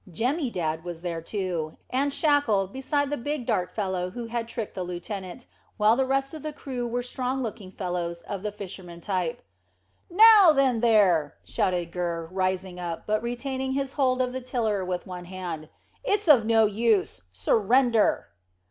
Jemmy Dadd was there too, and Shackle, beside the big dark fellow who had tricked the lieutenant, while the rest of the crew were strong looking fellows of the fisherman type. "Now then there!" shouted Gurr, rising up, but retaining his hold of the tiller with one hand. "It's of no use. Surrender!"